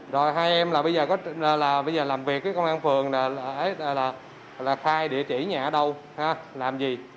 rồi hai em là bây giờ làm việc công an phường là khai địa chỉ nhà ở đâu làm gì